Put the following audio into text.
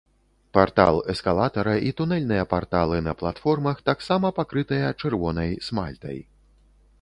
Партал эскалатара і тунэльныя парталы на платформах таксама пакрытыя чырвонай смальтай.